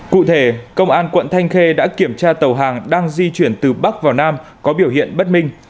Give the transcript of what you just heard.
cụ thể công an quận thanh khê đã kiểm tra tàu hàng đang di chuyển từ bắc vào nam có biểu hiện bất minh